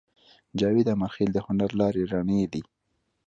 جاوید امیرخېل د هنر لارې رڼې دي